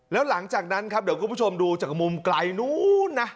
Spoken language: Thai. แล้วหลังจากนั้นครับเดี๋ยวคุณผู้ชมดูจากมุมไกลนู้นนะ